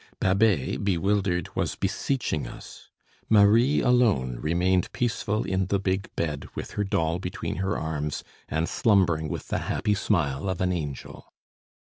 Babet, bewildered, was beseeching us. Marie alone remained peaceful in the big bed with her doll between her arms, and slumbering with the happy smile of an angel.